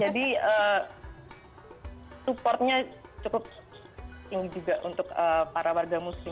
jadi supportnya cukup tinggi juga untuk para warga muslim